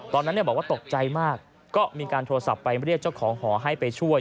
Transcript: ตอนนั้นบอกว่าตกใจมากก็มีการโทรศัพท์ไปเรียกเจ้าของหอให้ไปช่วย